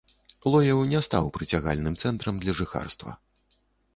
Лоеў не стаў прыцягальным цэнтрам для жыхарства.